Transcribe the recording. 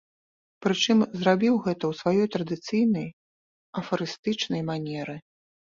Прычым зрабіў гэта ў сваёй традыцыйнай афарыстычнай манеры.